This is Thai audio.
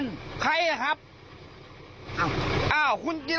ไม่เกินครับ